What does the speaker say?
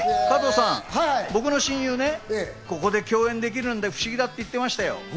僕の親友ね、ここで共演できるんで不思議だって言ってましたよ。